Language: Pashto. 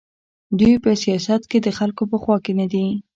دوی په سیاست کې د خلکو په خوا کې نه دي.